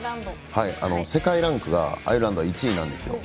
世界ランクがアイルランドは１位なんですよ。